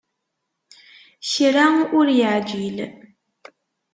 Kra ur yeεǧil.